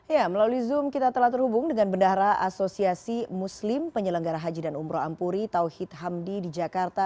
ya melalui zoom kita telah terhubung dengan bendahara asosiasi muslim penyelenggara haji dan umroh ampuri tauhid hamdi di jakarta